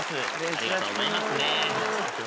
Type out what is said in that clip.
ありがとうございますね。